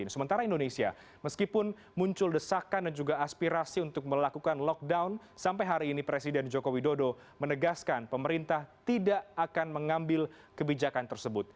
sementara indonesia meskipun muncul desakan dan juga aspirasi untuk melakukan lockdown sampai hari ini presiden joko widodo menegaskan pemerintah tidak akan mengambil kebijakan tersebut